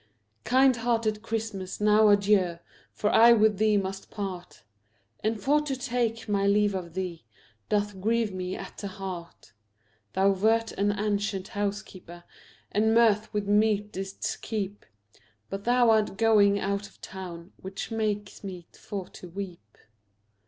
Kind hearted Christmas, now adieu, For I with thee must part, And for to take my leave of thee Doth grieve me at the heart; Thou wert an ancient housekeeper, And mirth with meat didst keep, But thou art going out of town, Which makes me for to weep.